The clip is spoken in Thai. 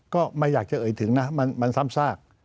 ก็ไม่อยากจะเอ่ยถึงนะมันซ้ำซาก